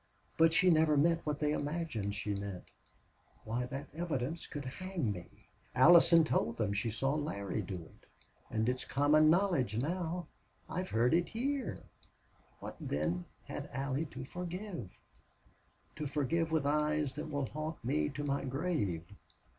But she never meant what they imagined she meant. Why, that evidence could hang me!... Allie told them she saw Larry do it. And it's common knowledge now I've heard it here.... What, then, had Allie to forgive to forgive with eyes that will haunt me to my grave?"